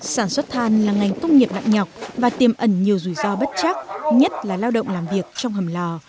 sản xuất than là ngành công nghiệp nặng nhọc và tiềm ẩn nhiều rủi ro bất chắc nhất là lao động làm việc trong hầm lò